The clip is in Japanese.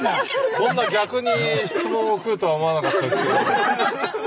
こんな逆に質問来るとは思わなかったですけど。